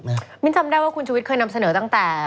มิ้นจำได้ว่าคุณชุวิตเคยนำเสนอตั้งแต่